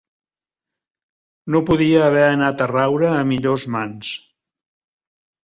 No podia haver anat a raure a millors mans.